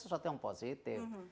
sesuatu yang positif